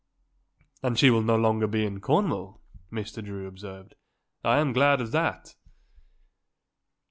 "And she will no longer be in Cornwall," Mr. Drew observed. "I am glad of that."